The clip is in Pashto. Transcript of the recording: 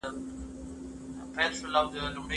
ما باید خپلې خور ته د ډوډۍ پخولو کې مرسته کړې وای.